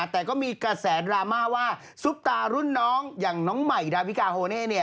แต่ก็มีกระแสดราม่าว่าซุปตารุ่นน้องอย่างน้องใหม่ดาวิกาโฮเน่